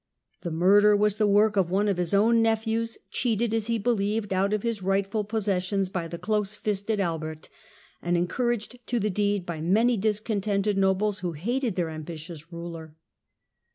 The murder was the work of one of his own nephews, Murder of cheated as he believed out of his rightful possessions by ^is ne ^ the close fisted Albert, and encouraged to the deed by p^^'^' ^^^^ many discontented nobles, who hated their ambitious ruler.